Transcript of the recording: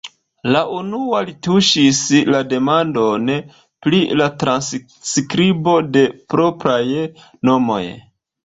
La unua li tuŝis la demandon "Pri transskribo de propraj nomoj".